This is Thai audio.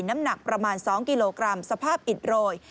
น้ำหนักประมาณ๒กิโลกรัมสภาพอิดโรย